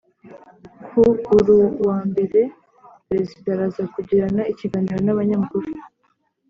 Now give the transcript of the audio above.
Ku uru wa mbere Perezida araza kugirana ikiganiro n’abanyamakuru